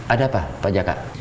ada apa pak jaka